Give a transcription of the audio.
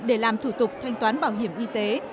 để làm thủ tục thanh toán bảo hiểm y tế